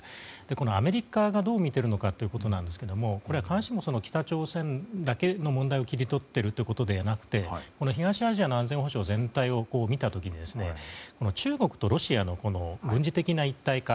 このアメリカがどうみているのかということですがこれは必ずしも北朝鮮だけの問題を切り取っているということではなく東アジアの安全保障全体を見た時に中国とロシアの軍事的な一体化